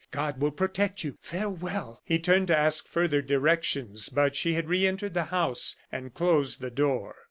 God will protect you. Farewell!" He turned to ask further directions, but she had re entered the house and closed the door.